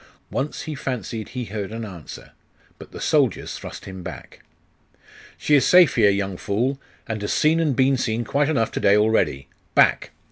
Once he fancied he heard an answer: but the soldiers thrust him back. 'She is safe here, young fool, and has seen and been seen quite enough to day already. Back!